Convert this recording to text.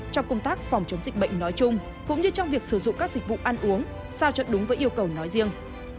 trong công tác phòng chống dịch bệnh nói chung cũng như trong việc sử dụng các dịch vụ ăn uống sao cho đúng với yêu cầu nói riêng